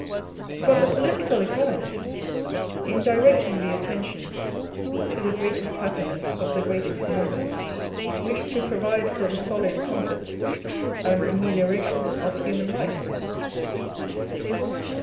But the Political 'Economists, in directing the attention to " the greatest happiness of the greatest numbers," wish to provide for the solid comforts and amelioration of human life.